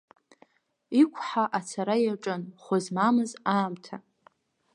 Иқәҳа ацара иаҿын хәы змамыз аамҭа…